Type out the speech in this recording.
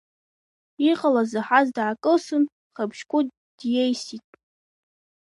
Иҟалаз заҳаз даакылсын, Хабжькәыт диеисит.